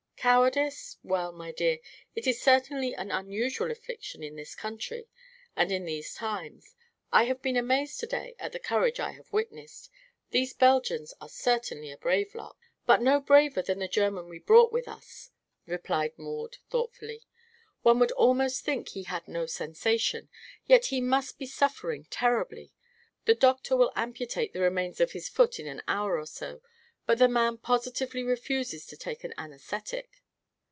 "Cowardice? Well, my dear, it is certainly an unusual affliction in this country and in these times. I have been amazed to day at the courage I have witnessed. These Belgians are certainly a brave lot." "But no braver than the German we brought with us," replied Maud thoughtfully. "One would almost think he had no sensation, yet he must be suffering terribly. The doctor will amputate the remnants of his foot in an hour or so, but the man positively refuses to take an anaesthetic."